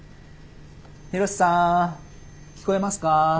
ヒロシさん聞こえますか？